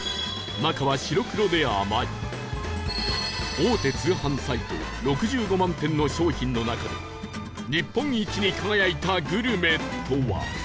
大手通販サイト６５万点の商品の中で日本一に輝いたグルメとは？